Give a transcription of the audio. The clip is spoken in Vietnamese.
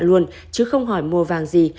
luôn chứ không hỏi mua vàng gì